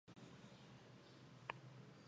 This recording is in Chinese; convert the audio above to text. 卡瑙巴尔是巴西塞阿拉州的一个市镇。